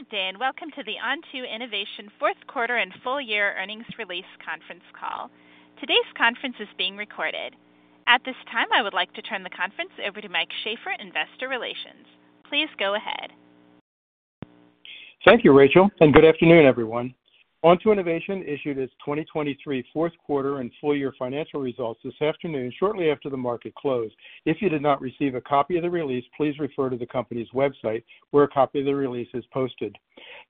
Good day and welcome to the Onto Innovation Fourth Quarter and Full Year Earnings Release Conference Call. Today's conference is being recorded. At this time, I would like to turn the conference over to Mike Sheaffer, Investor Relations. Please go ahead. Thank you, Rachel, and good afternoon, everyone. Onto Innovation issued its 2023 Fourth Quarter and Full Year Financial Results this afternoon, shortly after the market closed. If you did not receive a copy of the release, please refer to the company's website where a copy of the release is posted.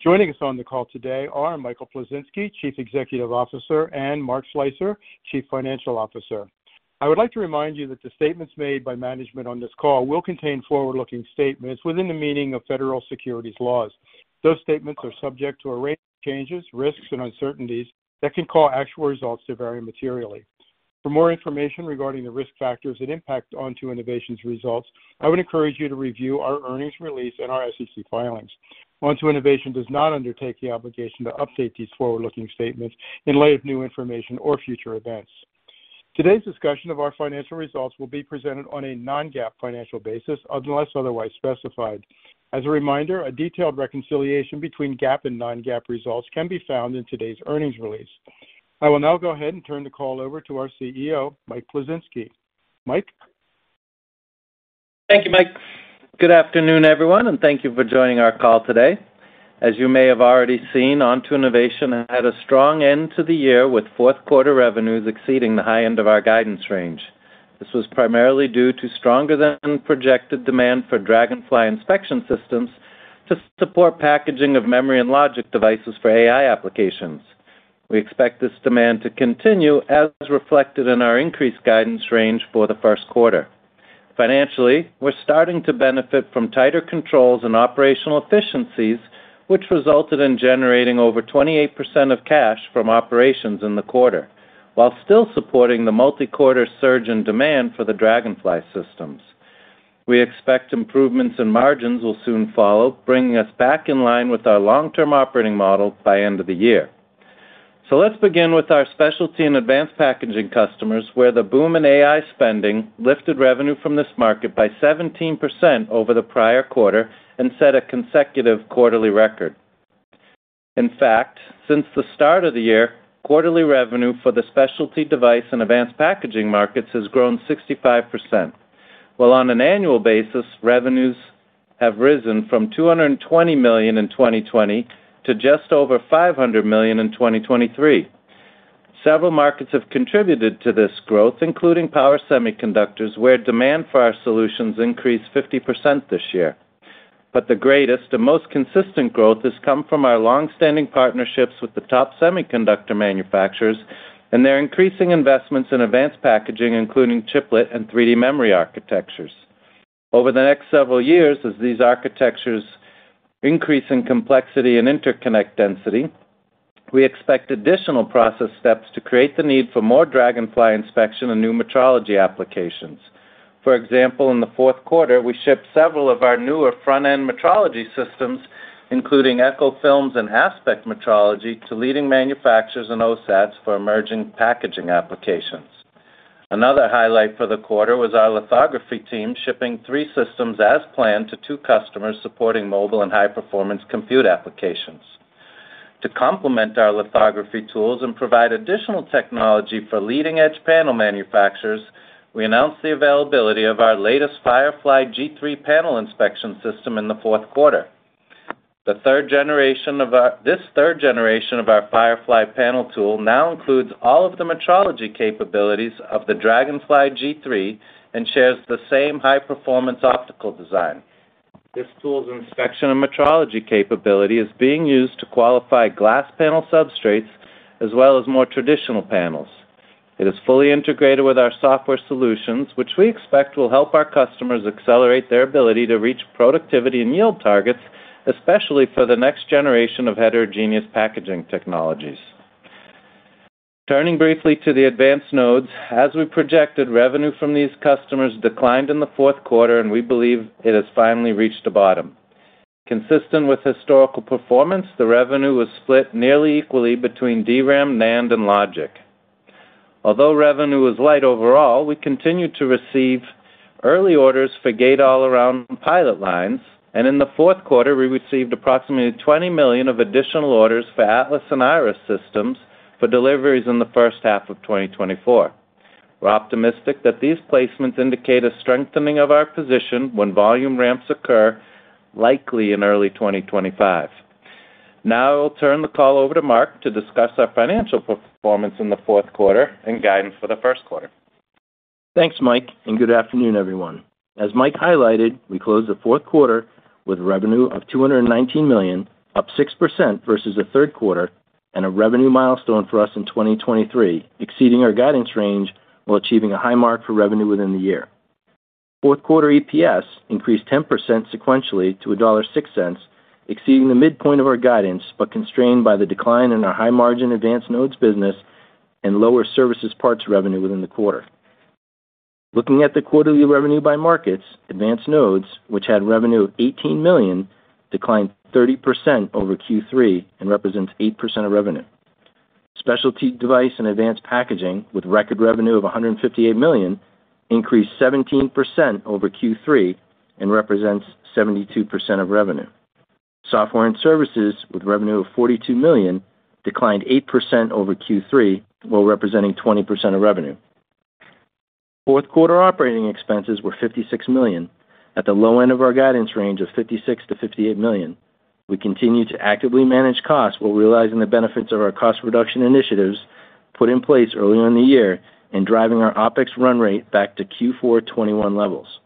Joining us on the call today are Michael Plisinski, Chief Executive Officer, and Mark Slicer, Chief Financial Officer. I would like to remind you that the statements made by management on this call will contain forward-looking statements within the meaning of federal securities laws. Those statements are subject to a range of changes, risks, and uncertainties that can cause actual results to vary materially. For more information regarding the risk factors that impact Onto Innovation's results, I would encourage you to review our earnings release and our SEC filings. Onto Innovation does not undertake the obligation to update these forward-looking statements in light of new information or future events. Today's discussion of our financial results will be presented on a non-GAAP financial basis unless otherwise specified. As a reminder, a detailed reconciliation between GAAP and non-GAAP results can be found in today's earnings release. I will now go ahead and turn the call over to our CEO, Mike Plisinski. Mike? Thank you, Mike. Good afternoon, everyone, and thank you for joining our call today. As you may have already seen, Onto Innovation had a strong end to the year with fourth quarter revenues exceeding the high end of our guidance range. This was primarily due to stronger-than-projected demand for Dragonfly inspection systems to support packaging of memory and logic devices for AI applications. We expect this demand to continue as reflected in our increased guidance range for the first quarter. Financially, we're starting to benefit from tighter controls and operational efficiencies, which resulted in generating over 28% of cash from operations in the quarter while still supporting the multi-quarter surge in demand for the Dragonfly systems. We expect improvements in margins will soon follow, bringing us back in line with our long-term operating model by end of the year. Let's begin with our specialty and advanced packaging customers, where the boom in AI spending lifted revenue from this market by 17% over the prior quarter and set a consecutive quarterly record. In fact, since the start of the year, quarterly revenue for the specialty device and advanced packaging markets has grown 65%, while on an annual basis, revenues have risen from $220 million in 2020 to just over $500 million in 2023. Several markets have contributed to this growth, including power semiconductors, where demand for our solutions increased 50% this year. The greatest and most consistent growth has come from our longstanding partnerships with the top semiconductor manufacturers and their increasing investments in advanced packaging, including chiplet and 3D memory architectures. Over the next several years, as these architectures increase in complexity and interconnect density, we expect additional process steps to create the need for more Dragonfly inspection and new metrology applications. For example, in the fourth quarter, we shipped several of our newer front-end metrology systems, including Echo films and Aspect metrology, to leading manufacturers and OSATs for emerging packaging applications. Another highlight for the quarter was our lithography team shipping 3 systems as planned to two customers supporting mobile and high-performance compute applications. To complement our lithography tools and provide additional technology for leading-edge panel manufacturers, we announced the availability of our latest Firefly G3 panel inspection system in the fourth quarter. This third generation of our Firefly panel tool now includes all of the metrology capabilities of the Dragonfly G3 and shares the same high-performance optical design. This tool's inspection and metrology capability is being used to qualify glass panel substrates as well as more traditional panels. It is fully integrated with our software solutions, which we expect will help our customers accelerate their ability to reach productivity and yield targets, especially for the next generation of heterogeneous packaging technologies. Turning briefly to the advanced nodes, as we projected, revenue from these customers declined in the fourth quarter, and we believe it has finally reached a bottom. Consistent with historical performance, the revenue was split nearly equally between DRAM, NAND, and logic. Although revenue was light overall, we continued to receive early orders for gate-all-around pilot lines, and in the fourth quarter, we received approximately $20 million of additional orders for Atlas and Iris systems for deliveries in the first half of 2024. We're optimistic that these placements indicate a strengthening of our position when volume ramps occur, likely in early 2025. Now I will turn the call over to Mark to discuss our financial performance in the fourth quarter and guidance for the first quarter. Thanks, Mike, and good afternoon, everyone. As Mike highlighted, we closed the fourth quarter with revenue of $219 million, up 6% versus the third quarter, and a revenue milestone for us in 2023, exceeding our guidance range while achieving a high mark for revenue within the year. Fourth quarter EPS increased 10% sequentially to $1.06, exceeding the midpoint of our guidance but constrained by the decline in our high-margin advanced nodes business and lower services parts revenue within the quarter. Looking at the quarterly revenue by markets, advanced nodes, which had revenue of $18 million, declined 30% over Q3 and represents 8% of revenue. Specialty device and advanced packaging, with record revenue of $158 million, increased 17% over Q3 and represents 72% of revenue. Software and services, with revenue of $42 million, declined 8% over Q3 while representing 20% of revenue. Fourth quarter operating expenses were $56 million, at the low end of our guidance range of $56 million-$58 million. We continue to actively manage costs while realizing the benefits of our cost reduction initiatives put in place early on the year and driving our OpEx run rate back to Q4 2021 levels.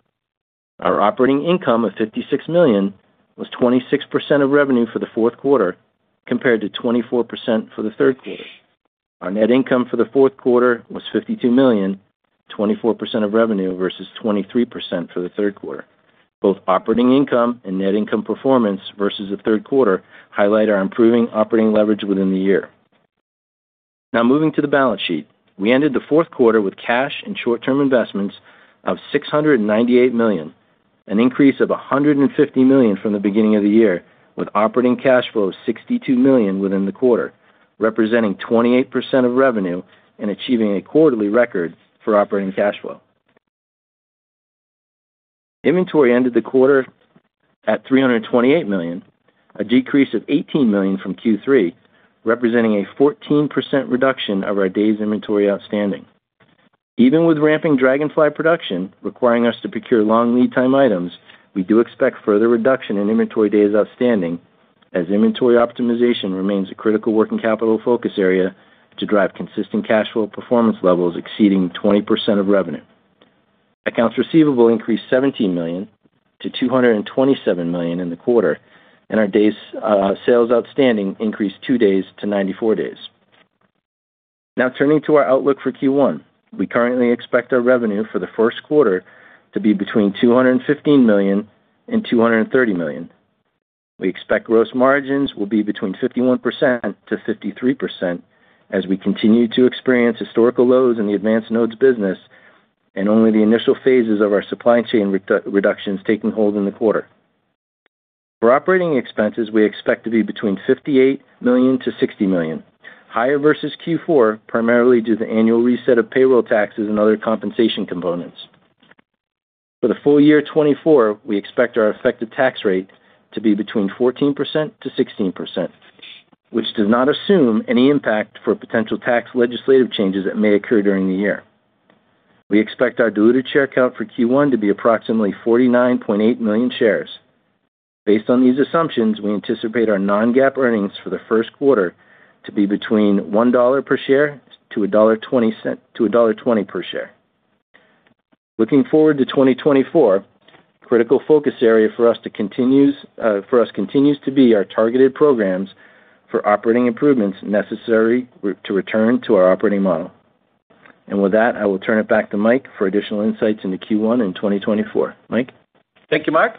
Our operating income of $56 million was 26% of revenue for the fourth quarter compared to 24% for the third quarter. Our net income for the fourth quarter was $52 million, 24% of revenue versus 23% for the third quarter. Both operating income and net income performance versus the third quarter highlight our improving operating leverage within the year. Now moving to the balance sheet. We ended the fourth quarter with cash and short-term investments of $698 million, an increase of $150 million from the beginning of the year, with operating cash flow of $62 million within the quarter, representing 28% of revenue and achieving a quarterly record for operating cash flow. Inventory ended the quarter at $328 million, a decrease of $18 million from Q3, representing a 14% reduction of our days' inventory outstanding. Even with ramping Dragonfly production requiring us to procure long lead-time items, we do expect further reduction in inventory days outstanding as inventory optimization remains a critical working capital focus area to drive consistent cash flow performance levels exceeding 20% of revenue. Accounts receivable increased $17 million to $227 million in the quarter, and our sales outstanding increased two days to 94 days. Now turning to our outlook for Q1. We currently expect our revenue for the first quarter to be between $215 million-$230 million. We expect gross margins will be between 51%-53% as we continue to experience historical lows in the advanced nodes business and only the initial phases of our supply chain reductions taking hold in the quarter. For operating expenses, we expect to be between $58 million-$60 million, higher versus Q4 primarily due to the annual reset of payroll taxes and other compensation components. For the full year 2024, we expect our effective tax rate to be between 14%-16%, which does not assume any impact for potential tax legislative changes that may occur during the year. We expect our diluted share count for Q1 to be approximately 49.8 million shares. Based on these assumptions, we anticipate our non-GAAP earnings for the first quarter to be between $1-$1.20 per share. Looking forward to 2024, a critical focus area for us continues to be our targeted programs for operating improvements necessary to return to our operating model. With that, I will turn it back to Mike for additional insights into Q1 and 2024. Mike? Thank you, Mark.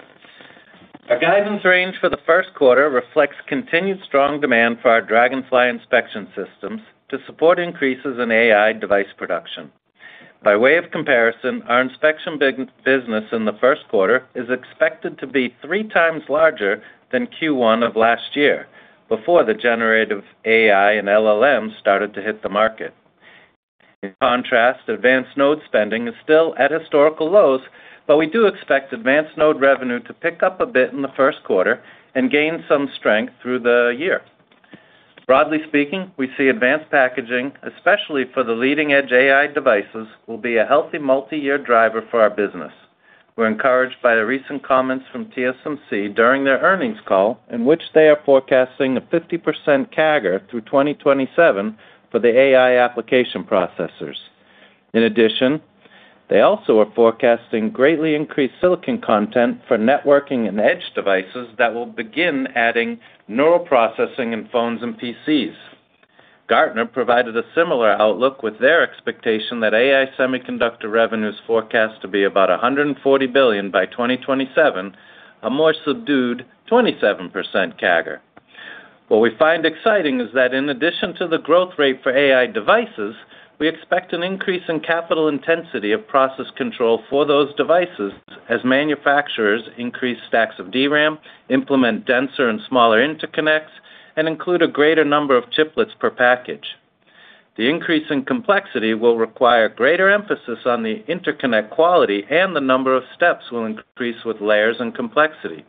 Our guidance range for the first quarter reflects continued strong demand for our Dragonfly inspection systems to support increases in AI device production. By way of comparison, our inspection business in the first quarter is expected to be three times larger than Q1 of last year before the generative AI and LLMs started to hit the market. In contrast, advanced node spending is still at historical lows, but we do expect advanced node revenue to pick up a bit in the first quarter and gain some strength through the year. Broadly speaking, we see advanced packaging, especially for the leading-edge AI devices, will be a healthy multi-year driver for our business. We're encouraged by the recent comments from TSMC during their earnings call, in which they are forecasting a 50% CAGR through 2027 for the AI application processors. In addition, they also are forecasting greatly increased silicon content for networking and edge devices that will begin adding neural processing in phones and PCs. Gartner provided a similar outlook with their expectation that AI semiconductor revenue is forecast to be about $140 billion by 2027, a more subdued 27% CAGR. What we find exciting is that in addition to the growth rate for AI devices, we expect an increase in capital intensity of process control for those devices as manufacturers increase stacks of DRAM, implement denser and smaller interconnects, and include a greater number of chiplets per package. The increase in complexity will require greater emphasis on the interconnect quality, and the number of steps will increase with layers and complexity.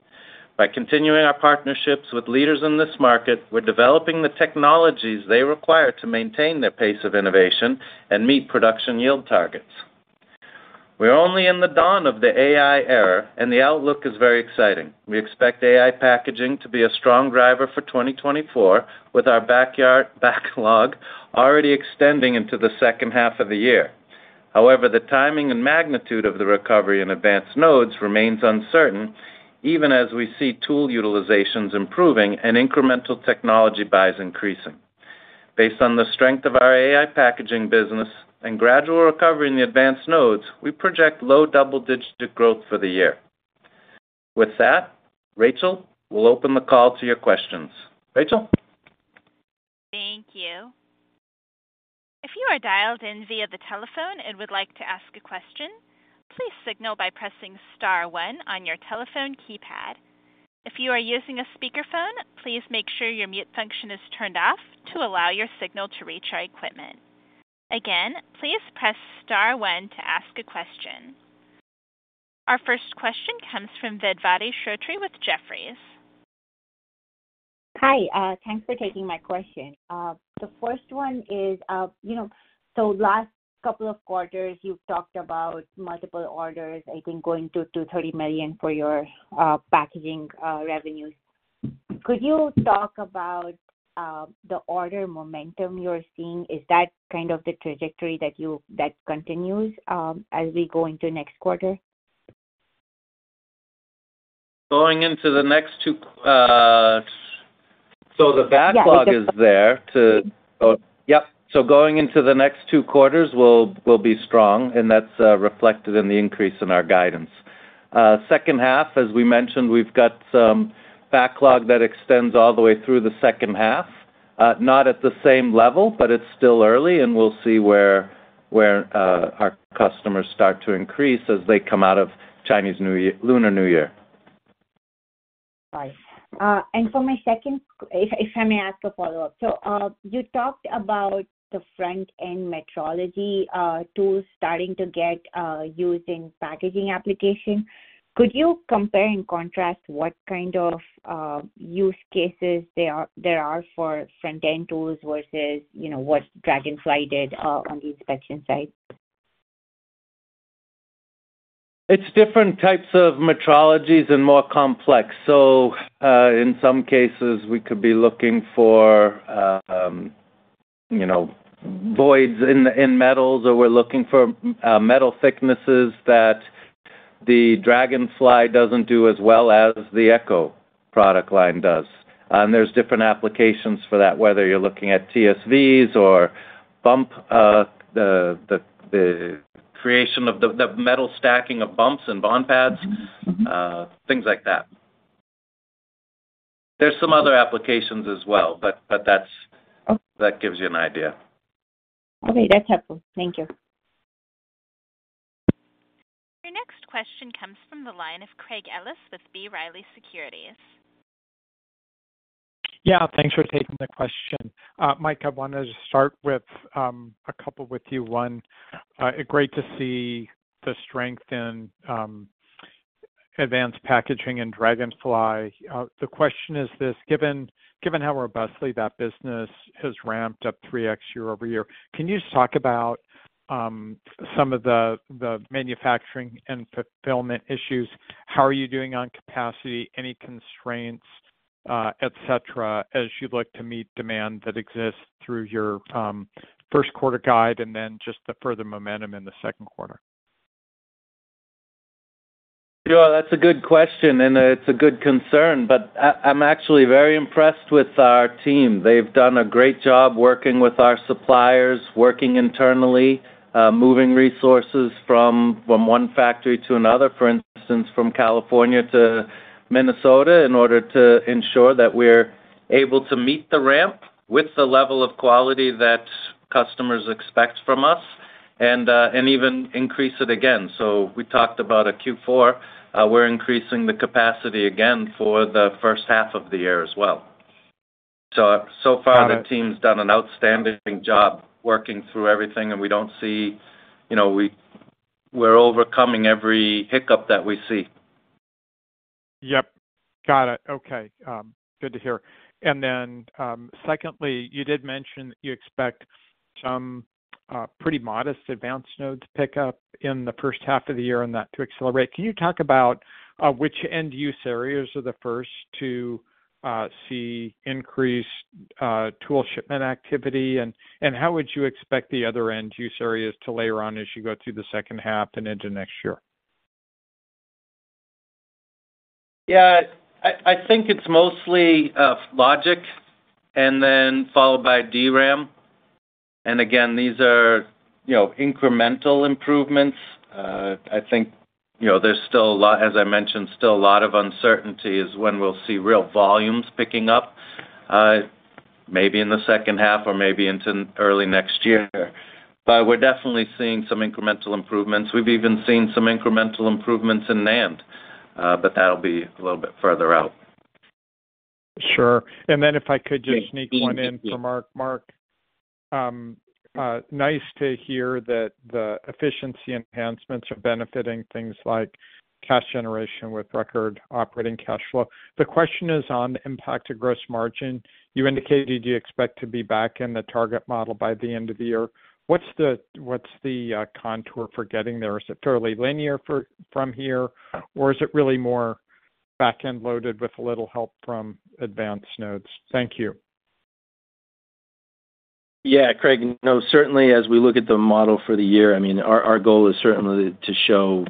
By continuing our partnerships with leaders in this market, we're developing the technologies they require to maintain their pace of innovation and meet production yield targets. We're only in the dawn of the AI era, and the outlook is very exciting. We expect AI packaging to be a strong driver for 2024, with our backlog already extending into the second half of the year. However, the timing and magnitude of the recovery in advanced nodes remains uncertain, even as we see tool utilizations improving and incremental technology buys increasing. Based on the strength of our AI packaging business and gradual recovery in the advanced nodes, we project low double-digit growth for the year. With that, Rachel, we'll open the call to your questions. Rachel? Thank you. If you are dialed in via the telephone and would like to ask a question, please signal by pressing star one on your telephone keypad. If you are using a speakerphone, please make sure your mute function is turned off to allow your signal to reach our equipment. Again, please press star one to ask a question. Our first question comes from Vedvati Shrotre with Jefferies. Hi. Thanks for taking my question. The first one is, so last couple of quarters, you've talked about multiple orders, I think going to $230 million for your packaging revenues. Could you talk about the order momentum you're seeing? Is that kind of the trajectory that continues as we go into next quarter? So going into the next two quarters will be strong, and that's reflected in the increase in our guidance. Second half, as we mentioned, we've got some backlog that extends all the way through the second half. Not at the same level, but it's still early, and we'll see where our customers start to increase as they come out of Chinese Lunar New Year. Right. And for my second if I may ask a follow-up. So you talked about the front-end metrology tools starting to get used in packaging application. Could you compare and contrast what kind of use cases there are for front-end tools versus what Dragonfly did on the inspection side? It's different types of metrologies and more complex. So in some cases, we could be looking for voids in metals, or we're looking for metal thicknesses that the Dragonfly doesn't do as well as the Echo product line does. And there's different applications for that, whether you're looking at TSVs or bump the creation of the metal stacking of bumps and bond pads, things like that. There's some other applications as well, but that gives you an idea. Okay. That's helpful. Thank you. Your next question comes from the line of Craig Ellis with B. Riley Securities. Yeah. Thanks for taking the question. Mike, I wanted to start with a couple with you. One, great to see the strength in advanced packaging in Dragonfly. The question is this. Given how robustly that business has ramped up 3x year-over-year, can you just talk about some of the manufacturing and fulfillment issues? How are you doing on capacity, any constraints, etc., as you look to meet demand that exists through your first quarter guide and then just the further momentum in the second quarter? Yeah. That's a good question, and it's a good concern. But I'm actually very impressed with our team. They've done a great job working with our suppliers, working internally, moving resources from one factory to another, for instance, from California to Minnesota in order to ensure that we're able to meet the ramp with the level of quality that customers expect from us and even increase it again. So we talked about a Q4. We're increasing the capacity again for the first half of the year as well. So far, the team's done an outstanding job working through everything, and we don't see. We're overcoming every hiccup that we see. Yep. Got it. Okay. Good to hear. And then secondly, you did mention that you expect some pretty modest advanced nodes pickup in the first half of the year and that to accelerate. Can you talk about which end-use areas are the first to see increased tool shipment activity, and how would you expect the other end-use areas to layer on as you go through the second half and into next year? Yeah. I think it's mostly logic and then followed by DRAM. Again, these are incremental improvements. I think there's still a lot as I mentioned, still a lot of uncertainty is when we'll see real volumes picking up, maybe in the second half or maybe into early next year. We're definitely seeing some incremental improvements. We've even seen some incremental improvements in NAND, but that'll be a little bit further out. Sure. And then if I could just sneak one in for Mark. Mark, nice to hear that the efficiency enhancements are benefiting things like cash generation with record operating cash flow. The question is on the impact to gross margin. You indicated you expect to be back in the target model by the end of the year. What's the contour for getting there? Is it fairly linear from here, or is it really more backend loaded with a little help from advanced nodes? Thank you. Yeah, Craig. No, certainly, as we look at the model for the year, I mean, our goal is certainly to show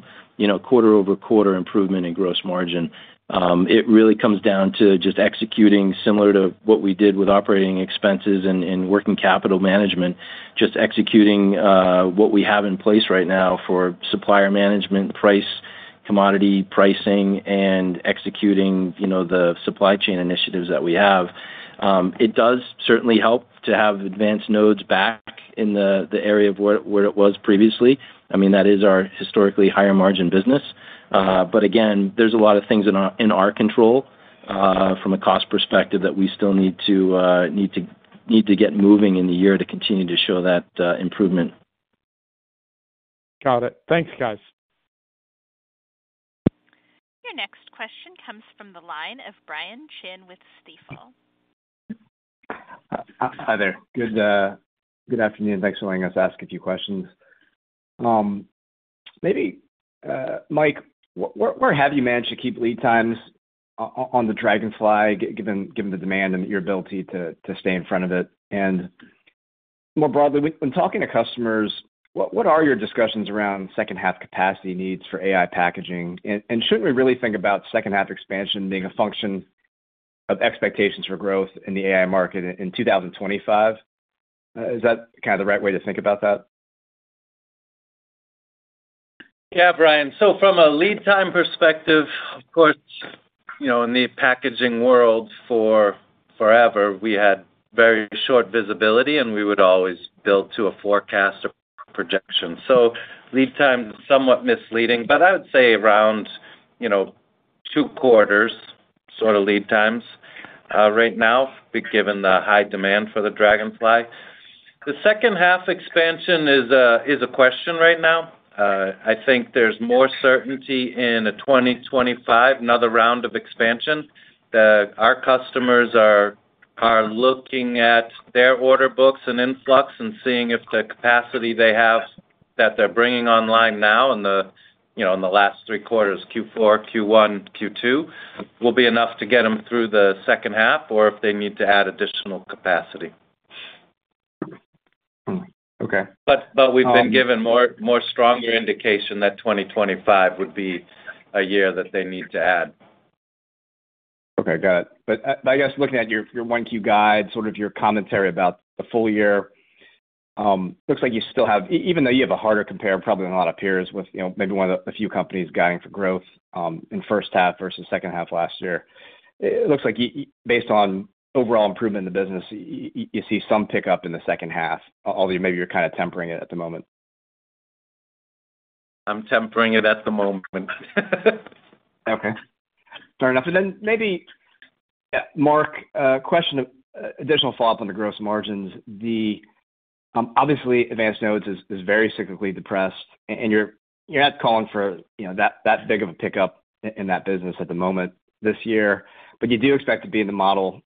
quarter-over-quarter improvement in gross margin. It really comes down to just executing similar to what we did with operating expenses and working capital management, just executing what we have in place right now for supplier management, commodity pricing, and executing the supply chain initiatives that we have. It does certainly help to have advanced nodes back in the area of where it was previously. I mean, that is our historically higher-margin business. But again, there's a lot of things in our control from a cost perspective that we still need to get moving in the year to continue to show that improvement. Got it. Thanks, guys. Your next question comes from the line of Brian Chin with Stifel. Hi there. Good afternoon. Thanks for letting us ask a few questions. Mike, where have you managed to keep lead times on the Dragonfly, given the demand and your ability to stay in front of it? More broadly, when talking to customers, what are your discussions around second-half capacity needs for AI packaging? Shouldn't we really think about second-half expansion being a function of expectations for growth in the AI market in 2025? Is that kind of the right way to think about that? Yeah, Brian. So from a lead time perspective, of course, in the packaging world forever, we had very short visibility, and we would always build to a forecast or projection. So lead time is somewhat misleading, but I would say around two quarters sort of lead times right now, given the high demand for the Dragonfly. The second half expansion is a question right now. I think there's more certainty in a 2025, another round of expansion. Our customers are looking at their order books and influx and seeing if the capacity they have that they're bringing online now in the last three quarters, Q4, Q1, Q2, will be enough to get them through the second half or if they need to add additional capacity. But we've been given more stronger indication that 2025 would be a year that they need to add. Okay. Got it. But I guess looking at your 1Q guide, sort of your commentary about the full year, it looks like you still have, even though you have a harder compare, probably than a lot of peers, with maybe one of the few companies guiding for growth in first half versus second half last year, it looks like based on overall improvement in the business, you see some pickup in the second half, although maybe you're kind of tempering it at the moment. I'm tempering it at the moment. Okay. Fair enough. And then maybe, Mark, question of additional follow-up on the gross margins. Obviously, advanced nodes is very cyclically depressed, and you're not calling for that big of a pickup in that business at the moment this year, but you do expect to be in the model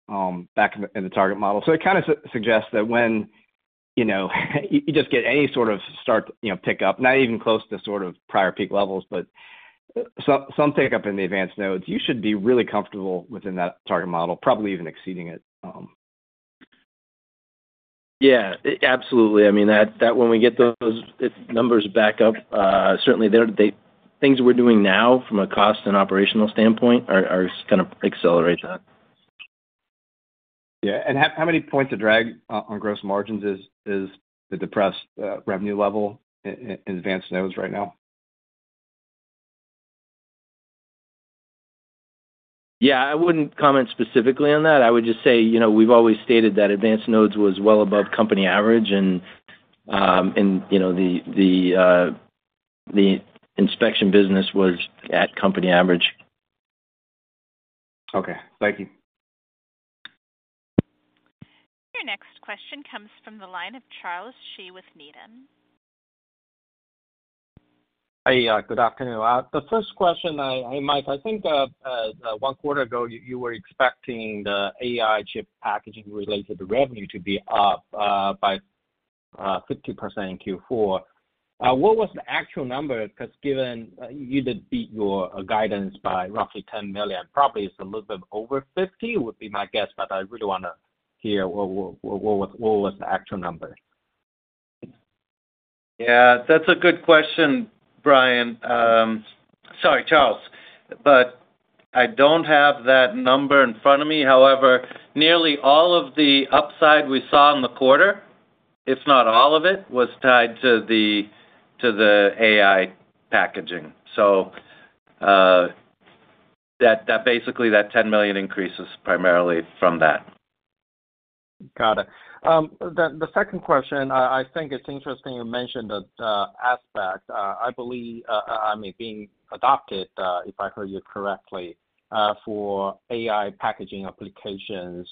back in the target model. So it kind of suggests that when you just get any sort of start pickup, not even close to sort of prior peak levels, but some pickup in the advanced nodes, you should be really comfortable within that target model, probably even exceeding it. Yeah. Absolutely. I mean, when we get those numbers back up, certainly, things we're doing now from a cost and operational standpoint are going to accelerate that. Yeah. How many points of drag on gross margins is the depressed revenue level in advanced nodes right now? Yeah. I wouldn't comment specifically on that. I would just say we've always stated that advanced nodes was well above company average, and the inspection business was at company average. Okay. Thank you. Your next question comes from the line of Charles Shi with Needham. Hi. Good afternoon. The first question, Mike, I think one quarter ago, you were expecting the AI chip packaging-related revenue to be up by 50% in Q4. What was the actual number? Because given you did beat your guidance by roughly $10 million, probably it's a little bit over 50% would be my guess, but I really want to hear what was the actual number. Yeah. That's a good question, Brian. Sorry, Charles, but I don't have that number in front of me. However, nearly all of the upside we saw in the quarter, if not all of it, was tied to the AI packaging. So basically, that $10 million increase is primarily from that. Got it. The second question, I think it's interesting you mentioned the Aspect. I believe, I mean, being adopted, if I heard you correctly, for AI packaging applications.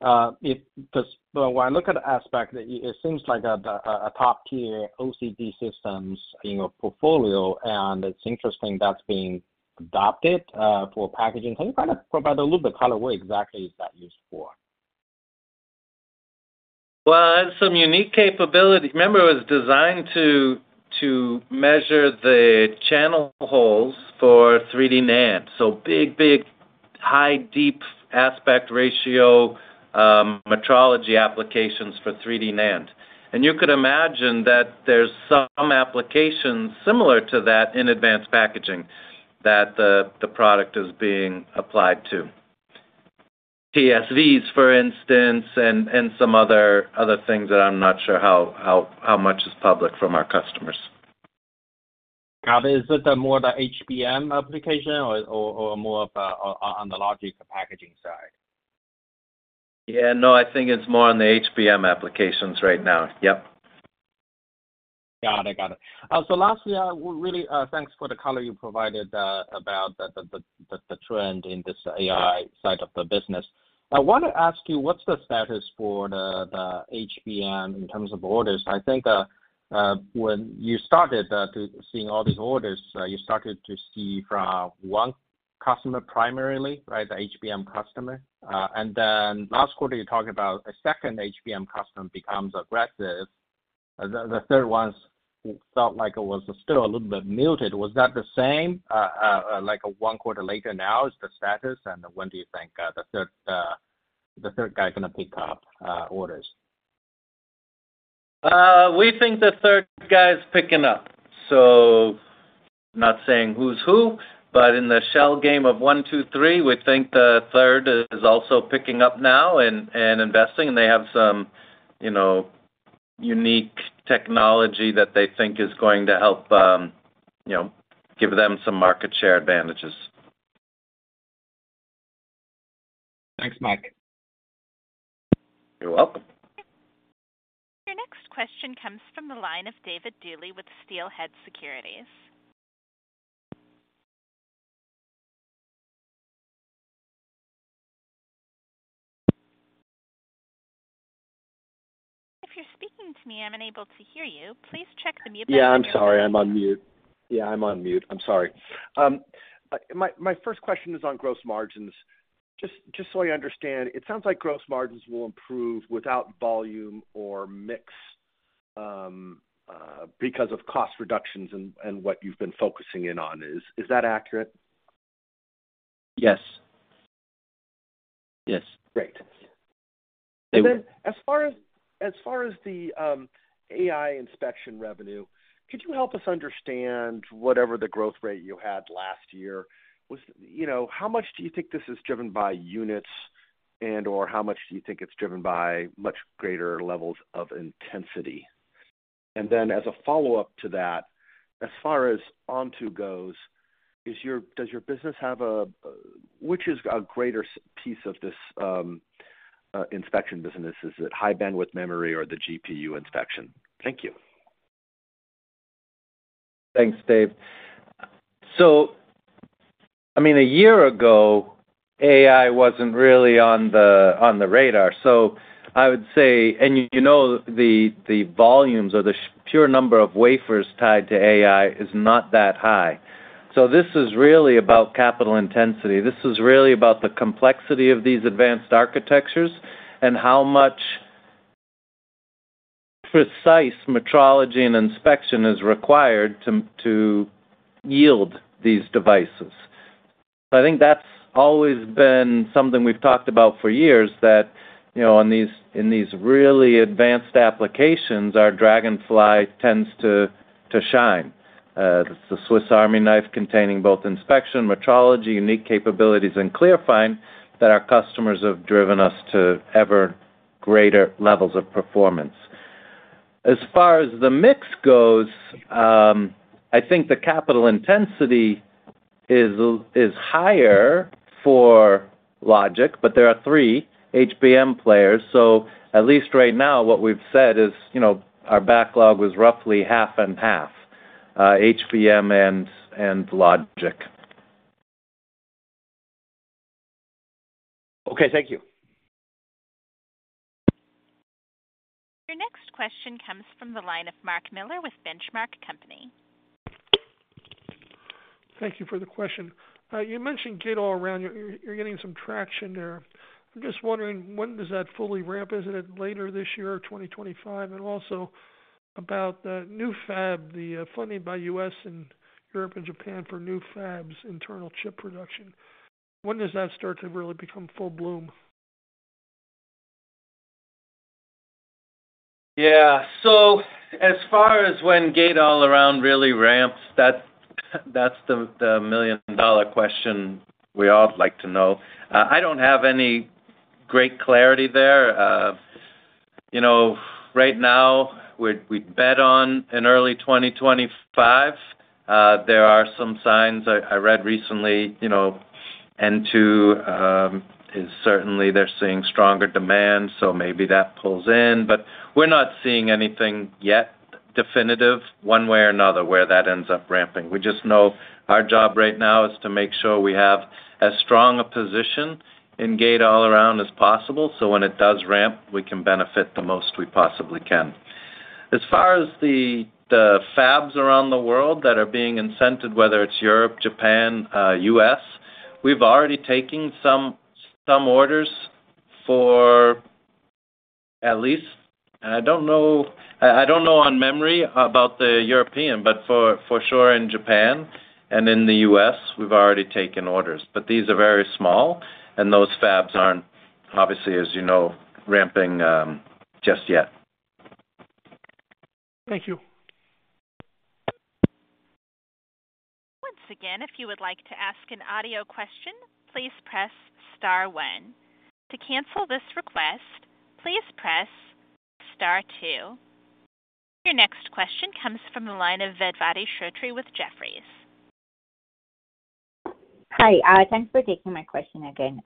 When I look at Aspect, it seems like a top-tier OCD systems portfolio, and it's interesting that's being adopted for packaging. Can you kind of provide a little bit of color? What exactly is that used for? Well, it's some unique capability. Remember, it was designed to measure the channel holes for 3D NAND, so big, big, high, deep aspect ratio metrology applications for 3D NAND. And you could imagine that there's some applications similar to that in advanced packaging that the product is being applied to, TSVs, for instance, and some other things that I'm not sure how much is public from our customers. Got it. Is it more the HBM application or more on the logic packaging side? Yeah. No, I think it's more on the HBM applications right now. Yep. Got it. Got it. So lastly, really, thanks for the color you provided about the trend in this AI side of the business. I want to ask you, what's the status for the HBM in terms of orders? I think when you started seeing all these orders, you started to see from one customer primarily, right, the HBM customer. And then last quarter, you talked about a second HBM customer becomes aggressive. The third one felt like it was still a little bit muted. Was that the same? One quarter later now, is the status? And when do you think the third guy is going to pick up orders? We think the third guy is picking up. So not saying who's who, but in the shell game of one, two, three, we think the third is also picking up now and investing, and they have some unique technology that they think is going to help give them some market share advantages. Thanks, Mike. You're welcome. Your next question comes from the line of David Duley with Steelhead Securities. If you're speaking to me, I'm unable to hear you. Please check the mute button. Yeah. I'm sorry. I'm on mute. Yeah. I'm on mute. I'm sorry. My first question is on gross margins. Just so I understand, it sounds like gross margins will improve without volume or mix because of cost reductions and what you've been focusing in on. Is that accurate? Yes. Yes. Great. And then as far as the AI inspection revenue, could you help us understand whatever the growth rate you had last year, how much do you think this is driven by units, and/or how much do you think it's driven by much greater levels of intensity? And then as a follow-up to that, as far as Onto goes, does your business have a which is a greater piece of this inspection business? Is it high-bandwidth memory or the GPU inspection? Thank you. Thanks, Dave. So I mean, a year ago, AI wasn't really on the radar. So I would say and the volumes or the pure number of wafers tied to AI is not that high. So this is really about capital intensity. This is really about the complexity of these advanced architectures and how much precise metrology and inspection is required to yield these devices. So I think that's always been something we've talked about for years, that in these really advanced applications, our Dragonfly tends to shine. It's the Swiss Army knife containing both inspection, metrology, unique capabilities, and clarifying that our customers have driven us to ever greater levels of performance. As far as the mix goes, I think the capital intensity is higher for logic, but there are three HBM players. At least right now, what we've said is our backlog was roughly half and half, HBM and logic. Okay. Thank you. Your next question comes from the line of Mark Miller with Benchmark Company. Thank you for the question. You mentioned gate-all-around. You're getting some traction there. I'm just wondering, when does that fully ramp? Is it later this year or 2025? And also about the new fab, the funding by U.S. and Europe and Japan for new fabs, internal chip production. When does that start to really become full bloom? Yeah. So as far as when gate-all-around really ramps, that's the million-dollar question we all'd like to know. I don't have any great clarity there. Right now, we'd bet on an early 2025. There are some signs I read recently. N2, they're certainly seeing stronger demand, so maybe that pulls in. But we're not seeing anything yet definitive one way or another where that ends up ramping. We just know our job right now is to make sure we have as strong a position in gate-all-around as possible so when it does ramp, we can benefit the most we possibly can. As far as the fabs around the world that are being incented, whether it's Europe, Japan, U.S., we've already taken some orders for at least and I don't know on memory about the European, but for sure in Japan and in the U.S., we've already taken orders. But these are very small, and those fabs aren't, obviously, as you know, ramping just yet. Thank you. Once again, if you would like to ask an audio question, please press star one. To cancel this request, please press star two. Your next question comes from the line of Vedvati Shrotre with Jefferies. Hi. Thanks for taking my question again.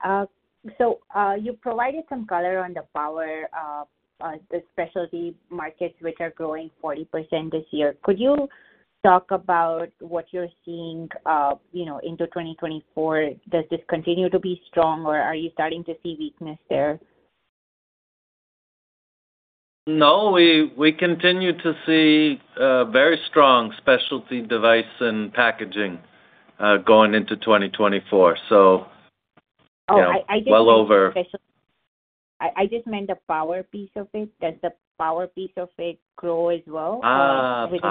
So you provided some color on the power specialty markets, which are growing 40% this year. Could you talk about what you're seeing into 2024? Does this continue to be strong, or are you starting to see weakness there? No. We continue to see very strong specialty device and packaging going into 2024, so well over. Oh. I just meant the power piece of it. Does the power piece of it grow as well with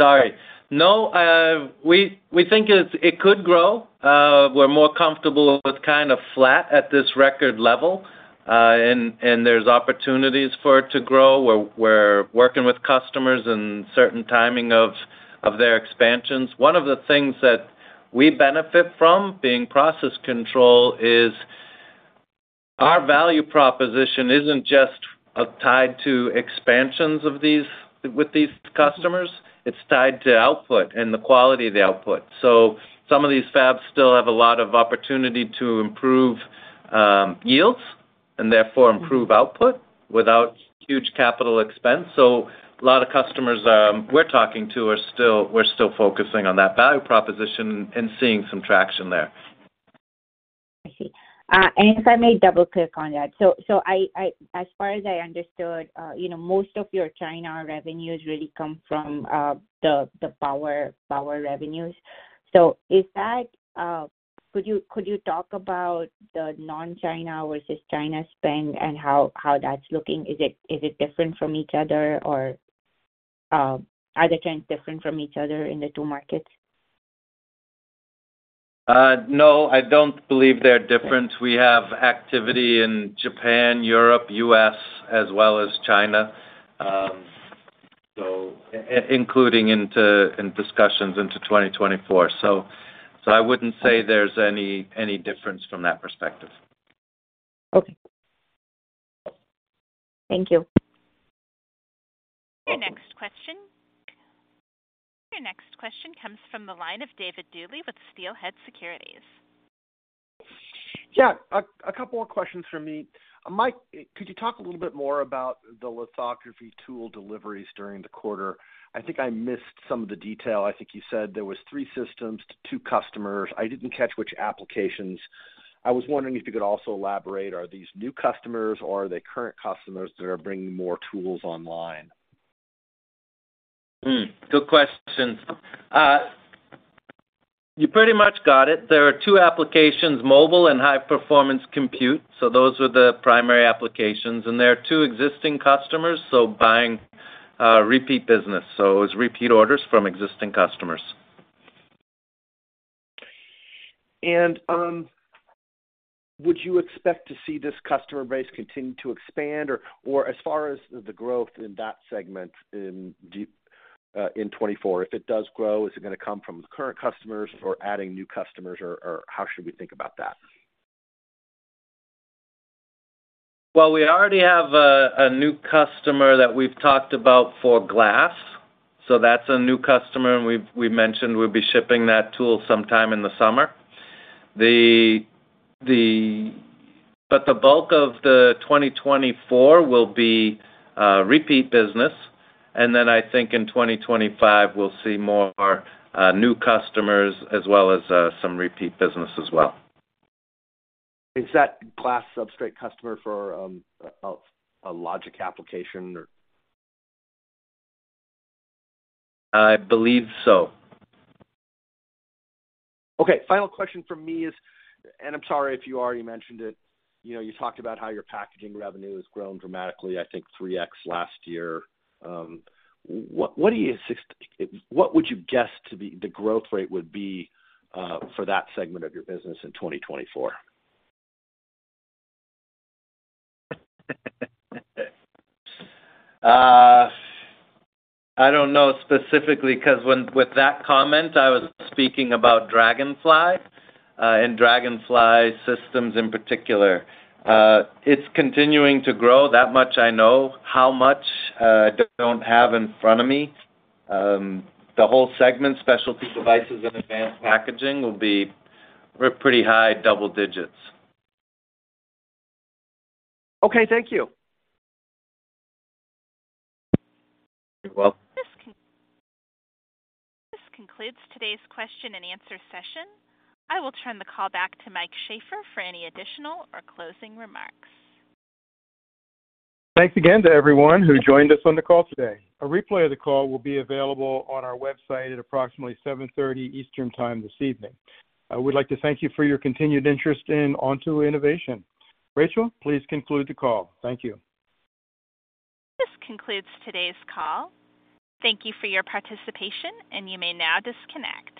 this? We think it could grow. We're more comfortable with kind of flat at this record level, and there's opportunities for it to grow. We're working with customers and certain timing of their expansions. One of the things that we benefit from being process control is our value proposition isn't just tied to expansions with these customers. It's tied to output and the quality of the output. So some of these fabs still have a lot of opportunity to improve yields and therefore improve output without huge capital expense. So a lot of customers we're talking to, we're still focusing on that value proposition and seeing some traction there. I see. If I may double-click on that, so as far as I understood, most of your China revenues really come from the power revenues. Could you talk about the non-China versus China spend and how that's looking? Is it different from each other, or are the trends different from each other in the two markets? No. I don't believe they're different. We have activity in Japan, Europe, U.S., as well as China, including in discussions into 2024. So I wouldn't say there's any difference from that perspective. Okay. Thank you. Your next question comes from the line of David Duley with Steelhead Securities. Yeah. A couple more questions from me. Mike, could you talk a little bit more about the lithography tool deliveries during the quarter? I think I missed some of the detail. I think you said there was three systems to two customers. I didn't catch which applications. I was wondering if you could also elaborate, are these new customers, or are they current customers that are bringing more tools online? Good question. You pretty much got it. There are two applications, mobile and high-performance compute. So those are the primary applications. And there are two existing customers, so buying repeat business. So it was repeat orders from existing customers. Would you expect to see this customer base continue to expand, or as far as the growth in that segment in 2024, if it does grow, is it going to come from current customers or adding new customers, or how should we think about that? Well, we already have a new customer that we've talked about for glass. So that's a new customer, and we mentioned we'll be shipping that tool sometime in the summer. But the bulk of the 2024 will be repeat business. And then I think in 2025, we'll see more new customers as well as some repeat business as well. Is that glass substrate customer for a logic application, or? I believe so. Okay. Final question from me is, and I'm sorry if you already mentioned it. You talked about how your packaging revenue has grown dramatically, I think 3x last year. What do you what would you guess the growth rate would be for that segment of your business in 2024? I don't know specifically because with that comment, I was speaking about Dragonfly and Dragonfly systems in particular. It's continuing to grow that much, I know. How much, I don't have in front of me. The whole segment, specialty devices and advanced packaging, will be pretty high double digits. Okay. Thank you. You're welcome. This concludes today's question and answer session. I will turn the call back to Mike Sheaffer for any additional or closing remarks. Thanks again to everyone who joined us on the call today. A replay of the call will be available on our website at approximately 7:30 P.M. Eastern Time this evening. We'd like to thank you for your continued interest in Onto Innovation. Rachel, please conclude the call. Thank you. This concludes today's call. Thank you for your participation, and you may now disconnect.